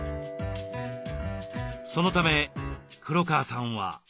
そのため黒川さんは。